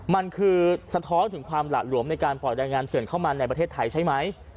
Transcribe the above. มันคือสะท้อนถึงความหละหลวมในการปล่อยรายงานเสื่อนเข้ามาในประเทศไทยใช่ไหม